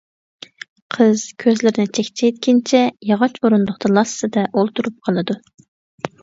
قىز كۆزلىرىنى چەكچەيتكىنىچە ياغاچ ئورۇندۇقتا لاسسىدە ئولتۇرۇپ قالىدۇ.